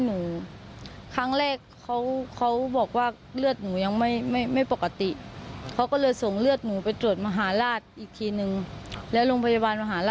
หนูครั้งแรกเขาเขาบอกว่าเลือดหนูยังไม่ปกติโรคไปรับ